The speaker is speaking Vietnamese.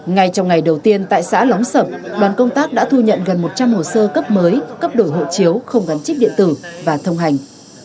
ngay trong ngày đầu tiên tại xã lóng sập đoàn công tác đã thu nhận gần một trăm linh hồ sơ cấp mới cấp đổi hộ chiếu không gắn chip điện tử và thông hành